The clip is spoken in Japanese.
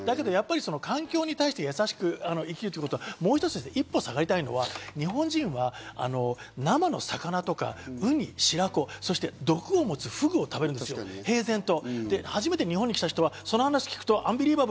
環境に対してやさしく生きるということ、一歩下がりたいのは、日本人は生の魚とかウニ、白子、毒を持つフグを食べる、平然と。